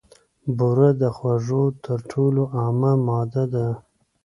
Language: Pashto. بوره د خوږو تر ټولو عامه ماده ده.